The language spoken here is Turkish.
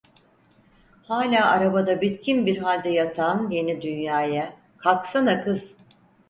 Hala arabada bitkin bir halde yatan Yeni Dünya'ya: "Kalksana kız!"